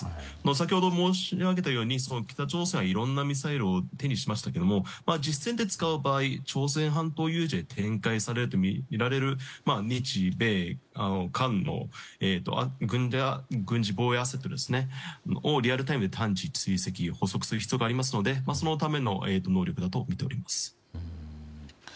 先ほど申し上げたように北朝鮮はいろいろなミサイルを手に入れましたが実際に調整半島有事の際に展開されるとみられる日米韓の軍事防衛アセットを捕捉する必要がありますのでそのための能力だと見ております。